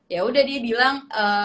ya udah dia bilang